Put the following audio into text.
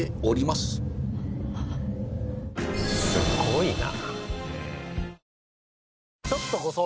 すごいな。